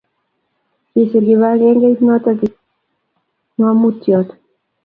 kisir kibagengeit noto kipngomutyot